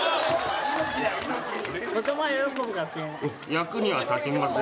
役には立ちません。